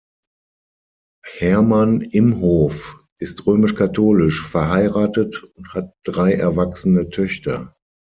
Hermann Imhof ist römisch-katholisch, verheiratet und hat drei erwachsene Töchter.